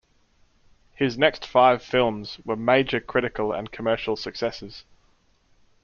His next five films were major critical and commercial successes.